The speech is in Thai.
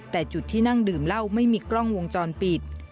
แต่จุดที่นั่งดื่มเหล้าไม่มีกล้องวงจรปิด